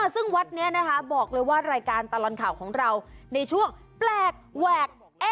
ซึ่งวัดนี้นะคะบอกเลยว่ารายการตลอดข่าวของเราในช่วงแปลกแหวก